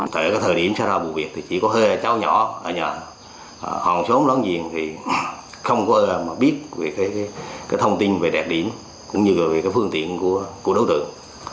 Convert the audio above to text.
thời điểm xảy ra bù việt thì chỉ có hơi là cháu nhỏ ở nhà hoàng số lớn viên thì không có biết về cái thông tin về đẹp điểm cũng như là về cái phương tiện của đối tượng